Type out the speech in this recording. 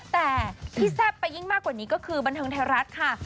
แต่ที่แซ่บไปยิ่งมากกว่านี้ก็คือบันเทิงไทยรัฐค่ะ